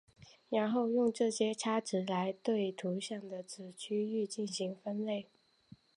然后用这些差值来对图像的子区域进行分类。